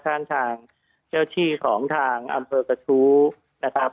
ข้างทางเจ้าที่ของทางอำเภอกระทู้นะครับ